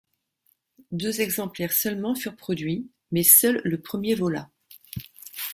Deux exemplaires seulement furent produits, mais seul le premier vola.